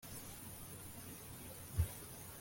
mwebwe ninde wamurikiye inyanja-guta umusare